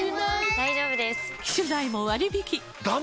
大丈夫です！